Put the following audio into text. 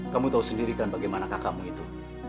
kamu tahu sendiri kan bagaimana kakakmu itu